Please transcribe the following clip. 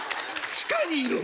地下にいるの？